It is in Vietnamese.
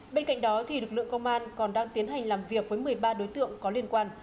bên cạnh đó lực lượng công an còn đang tiến hành làm việc với một mươi ba đối tượng có liên quan